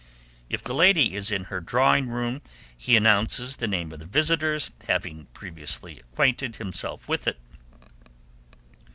If the lady is in her drawing room, he announces the name of the visitors, having previously acquainted himself with it.